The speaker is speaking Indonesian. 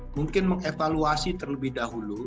mungkin mengevaluasi terlebih dahulu